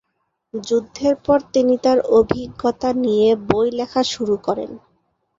যুদ্ধের পর তিনি তার অভিজ্ঞতা নিয়ে বই লেখা শুরু করেন।